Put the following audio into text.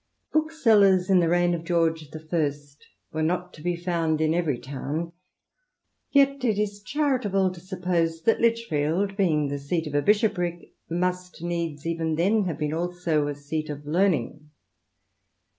Booksellers in the reign of George the First were not to be found in every town ; yet it is charitable to suppose that Lichfield, being the seat of a bishopric^ must needs even then have been also a seat of learning.